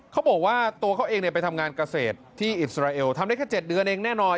เขาบอกว่าตัวเขาเองไปทำงานเกษตรที่อิสราเอลทำได้แค่๗เดือนเองแน่นอน